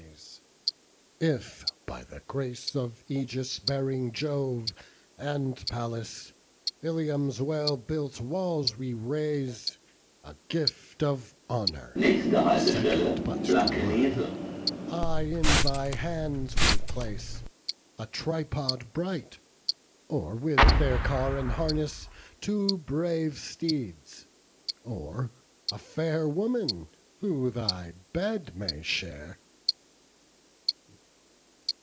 This too I say, and will make good my word: If by the grace of aegis bearing Jove, And Pallas, Ilium's well built walls we raze, A gift of honour, second but to mine, I in thy hands will place; a tripod bright, Or, with their car and harness, two brave steeds, Or a fair woman who thy bed may share."